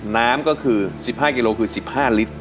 น้ำก็คือ๑๕กิโลคือ๑๕ลิตร